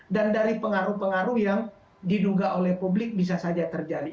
dan dari pengaruh pengaruh yang diduga oleh publik bisa saja terjadi